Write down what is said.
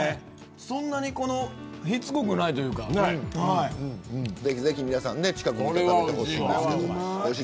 そんなにしつこくないというかぜひ皆さん食べてほしいんですけど。